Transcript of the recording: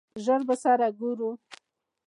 ژر به سره ګورو!